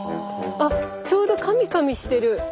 あちょうどカミカミしてる。